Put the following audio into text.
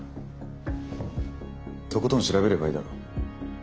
とことん調べればいいだろ。